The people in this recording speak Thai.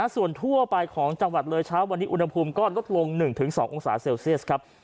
ส่วนทั่วไปของจังหวัดเลยอุณหภูมิก็ลง๑๒องศาเซลเซียส